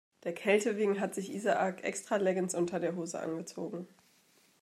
Der Kälte wegen hat sich Isaak extra Leggings unter der Hose angezogen.